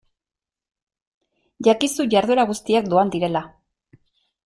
Jakizu jarduera guztiak doan direla.